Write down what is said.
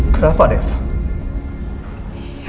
kenapa ada elsa